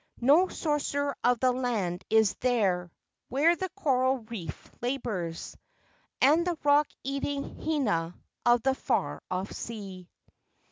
No sorcerer of the land is there, Where the coral reef labors, And the rock eating Hina of the far off sea."